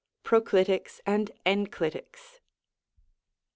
PKOCLinCS AKD ENCLITICS.